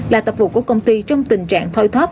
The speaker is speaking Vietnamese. là tập vụ của công ty trong tình trạng thoi thóp